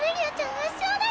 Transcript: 圧勝だよ